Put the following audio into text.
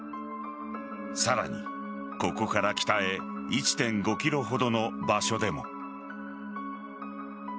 さらに、ここから北へ１．５ｋｍほどの場所でも。